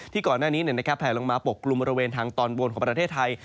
ก่อนหน้านี้แผลลงมาปกกลุ่มบริเวณทางตอนบนของประเทศไทย